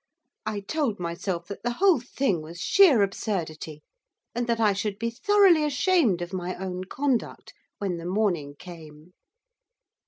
I told myself that the whole thing was sheer absurdity, and that I should be thoroughly ashamed of my own conduct when the morning came.